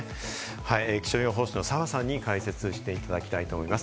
気象予報士の澤さんに解説していただきたいと思います。